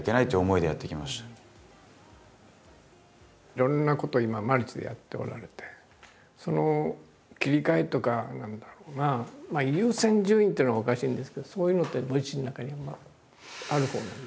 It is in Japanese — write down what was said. いろんなことを今マルチでやっておられてその切り替えとか何だろうなまあ優先順位っていうのはおかしいんですけどそういうのってご自身の中に今あるほうなんですかね？